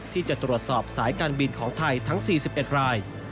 ที่จะตรวจสอบสายการบินของไทยทั้ง๔๑ราย